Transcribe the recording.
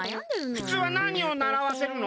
ふつうはなにをならわせるの？